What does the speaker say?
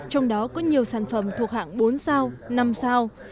trong đó có nhiều sản phẩm thuộc hạng bốn sao năm sao